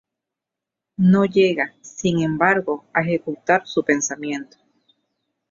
No llega, sin embargo, a ejecutar su pensamiento.